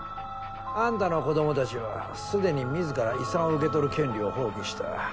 あんたの子供たちはすでに自ら遺産を受け取る権利を放棄した。